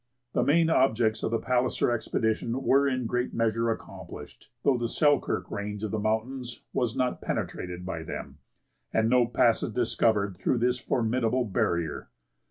The main objects of the Palliser expedition were in a great measure accomplished, though the Selkirk Range of mountains was not penetrated by them, and no passes discovered through this formidable barrier.